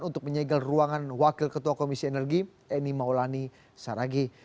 untuk menyegel ruangan wakil ketua komisi energi eni maulani saragi